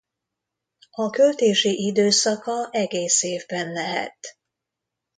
A költési időszaka egész évben lehet.